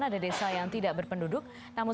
ada desa yang tidak berpenduduk namun